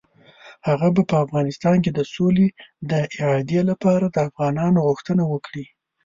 هغه به په افغانستان کې د سولې د اعادې لپاره د افغانانو غوښتنه وکړي.